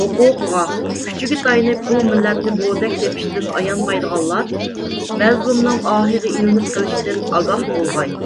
ھوقۇقىغا، كۈچىگە تايىنىپ بۇ مىللەتنى بوزەك تېپىشتىن ئايانمايدىغانلار مەزلۇمنىڭ ئاھىغا ئىلىنىپ قىلىشتىن ئاگاھ بولغاي.